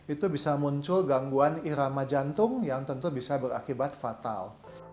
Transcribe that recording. itu bisa muncul gangguan irama jantung yang tentu bisa berakibat fatal